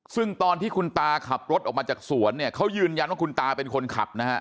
ซึ่งตอนที่คุณตาขับรถออกมาจากสวนเนี่ยเขายืนยันว่าคุณตาเป็นคนขับนะฮะ